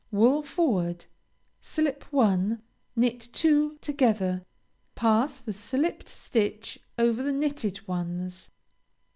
_) Wool forward. Slip one. Knit two together. Pass the slipped stitch over the knitted ones.